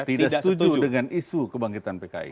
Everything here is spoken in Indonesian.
tidak setuju dengan isu kebangkitan pki